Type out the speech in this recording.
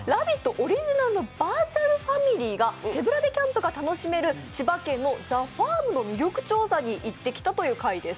オリジナルのバーチャルファミリーが手ぶらでキャンプが楽しめる千葉県のＴＨＥＦＡＲＭの魅力調査に行ってきたという回です。